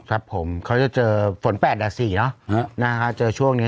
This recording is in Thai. ครับผมเขาจะเจอฝนแปดอ่ะสี่นะฮะน่าจะเจอช่วงนี้